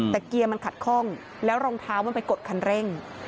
แต่เกียร์มันขัดข้องแล้วรองเท้ามันไปกดคันเร่ง